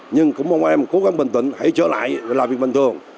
nhưng cũng mong em cố gắng bình tĩnh hãy trở lại làm việc bình thường